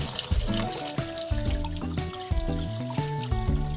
はい。